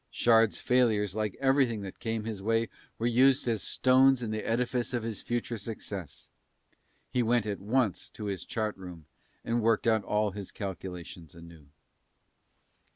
Shard's failures like everything that came his way were used as stones in the edifice of his future success, he went at once to his chart room and worked out all his calculations anew.